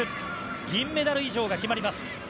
銀メダル以上が決まります。